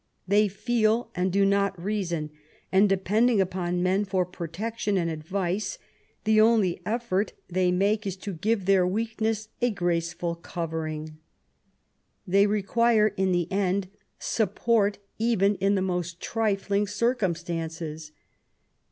They feel and do not reason^ and^ depending upon men for protection and advice, the only eflFort they make is to give their weakness a graceful covering. They require, in the end, support even in the most trifling circumstances.